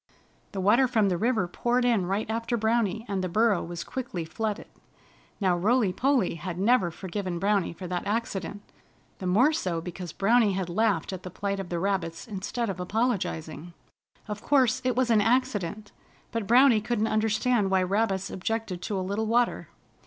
The water from the river poured in right after Browny and the burrow was quickly flooded. Now Rolly Polly had never forgiven Browny for that accident, the more so because Browny had laughed at the plight of the rabbits instead of apologizing. Of course, it was an accident, but Browny couldn't understand why rabbits objected to a little water.